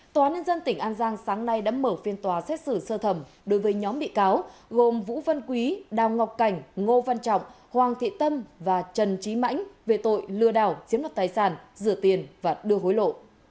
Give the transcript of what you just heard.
tòa án nhân dân tỉnh an giang sáng nay đã mở phiên tòa xét xử sơ thẩm đối với nhóm bị cáo gồm vũ văn quý đào ngọc cảnh ngô văn trọng hoàng thị tâm và trần trí mãnh về tội lừa đảo chiếm mặt tài sản rửa tiền và đưa hối lộ